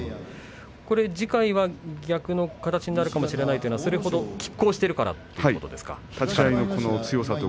次回は逆の形になるかもしれないということは、きっ抗しているということですか？